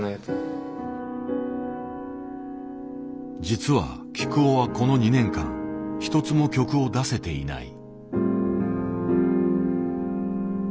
実はきくおはこの２年間一つも曲を出せていない。